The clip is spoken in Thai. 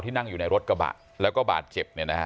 นั่งอยู่ในรถกระบะแล้วก็บาดเจ็บเนี่ยนะฮะ